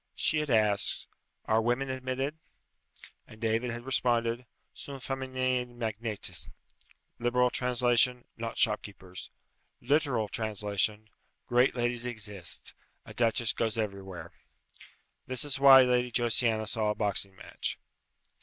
She had asked, "Are women admitted?" And David had responded, "Sunt fæminae magnates!" Liberal translation, "Not shopkeepers." Literal translation, "Great ladies exist. A duchess goes everywhere!" This is why Lady Josiana saw a boxing match.